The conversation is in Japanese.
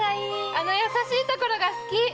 あの優しいところが好き！